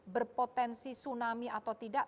berpotensi tsunami atau tidak